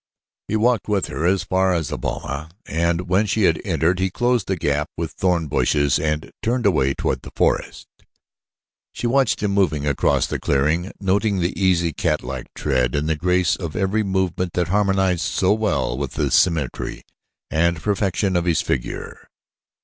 He walked with her as far as the boma and when she had entered he closed the gap with thorn bushes and turned away toward the forest. She watched him moving across the clearing, noting the easy, catlike tread and the grace of every movement that harmonized so well with the symmetry and perfection of his figure.